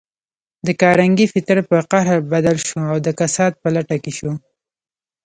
د کارنګي فطرت پر قهر بدل شو او د کسات په لټه کې شو.